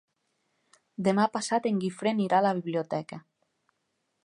Demà passat en Guifré anirà a la biblioteca.